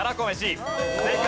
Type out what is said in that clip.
正解！